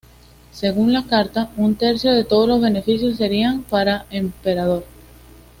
Según la Carta, un tercio de todos los beneficios serían para el emperador.